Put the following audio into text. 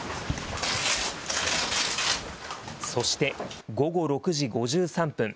そして、午後６時５３分。